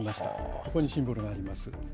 ここにシンボルがあります。